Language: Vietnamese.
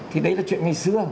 thì đấy là chuyện ngày xưa